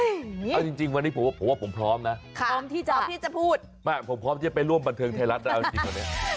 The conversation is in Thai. เอาจริงวันนี้ผมผมพร้อมนะพร้อมที่จะพูดไม่ผมพร้อมที่จะไปร่วมบันเทิงไทยรัฐแล้ว